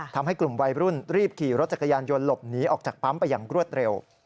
ทำให้กลุ่มวัยรุ่นรีบขี่รถจักรยานยนต์หลบหนีออกจากปั๊มไปอย่างรวดเร็ว